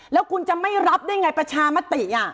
แล้วคุณจะไม่รับได้ไงประชามติ